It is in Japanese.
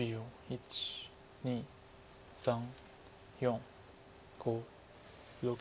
１２３４５６。